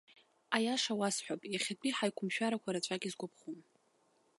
Аиаша уасҳәап, иахьатәи ҳаиқәымшәарақәа рацәак исгәаԥхом.